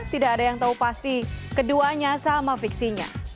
tidak ada yang tahu pasti keduanya sama fiksinya